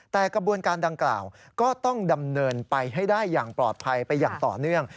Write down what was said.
แต่กระบวนการดังกล่าวก็ต้องดำเนินไปให้ได้อย่างปลอดภัยไปอย่างต่อเนื่อง